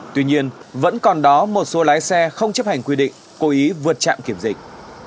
tuy nhiên vẫn còn đó một số lái xe không chấp hành quy định cố ý vượt trạm kiểm dịch